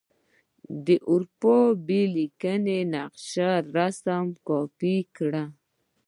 د اروپا بې لیکنې نقشه رسم یا کاپې کړئ.